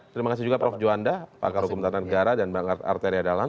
terima kasih juga prof johanda pakar hukum tentang negara dan bang arteria dalam